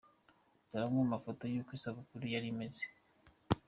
Dore amwe mu mafoto y’ uko isabukuru yari imeze :